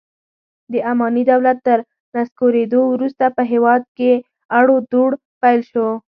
د اماني دولت تر نسکورېدو وروسته په هېواد کې اړو دوړ پیل شو.